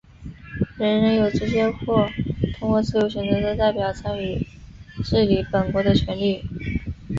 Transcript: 人人有直接或通过自由选择的代表参与治理本国的权利。